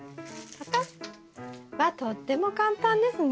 わっとっても簡単ですね。